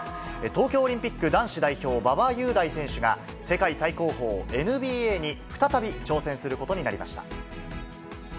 東京オリンピック男子代表、馬場雄大選手が世界最高峰、ＮＢＡに再び挑戦することになりました。